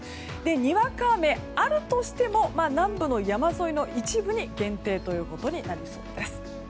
にわか雨、あるとしても南部の山沿いの一部に限定ということになりそうです。